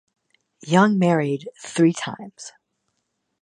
Young married three times.